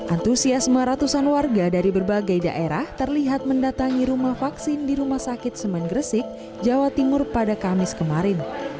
antusiasme ratusan warga dari berbagai daerah terlihat mendatangi rumah vaksin di rumah sakit semen gresik jawa timur pada kamis kemarin